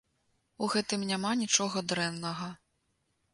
У гэтым няма нічога дрэннага.